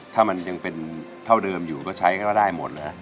ถ้ามันยังเป็นเท่าเดิมอยู่ก็ใช้ก็ได้หมดนะ